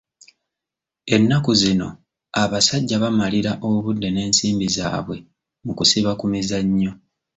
Ennaku zino abasajja bamalira obudde n'ensimbi zaabwe mu kusiba ku mizannyo.